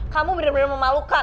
kamu bener bener memalukan